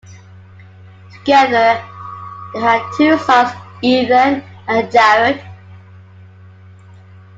Together they had two sons, Ethan and Jared.